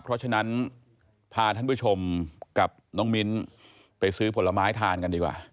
เพราะฉะนั้นพาท่านผู้ชมกับน้องมิ้นไปซื้อผลไม้ทานกันดีกว่า